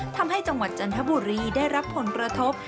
ทำให้จังหวัดจันทบุรีได้รับผลกระทบ